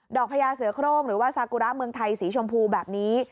พญาเสือโครงหรือว่าซากุระเมืองไทยสีชมพูแบบนี้